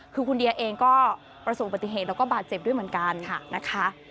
คือคุณเดียเองก็ประสบปฏิเหตุแล้วก็บาดเจ็บด้วยเหมือนกันนะคะ